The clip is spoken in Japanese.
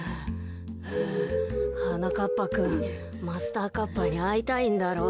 はなかっぱくんマスターカッパーにあいたいんだろ。